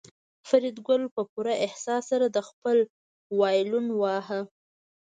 فریدګل په پوره احساس سره خپل وایلون واهه